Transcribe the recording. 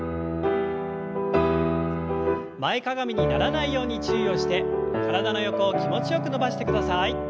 前かがみにならないように注意をして体の横を気持ちよく伸ばしてください。